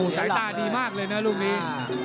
สายตาดีมากเลยนะลูกนี้